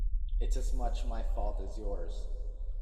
It's as much my fault as yours.